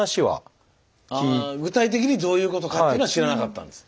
具体的にどういうことかというのは知らなかったんですね。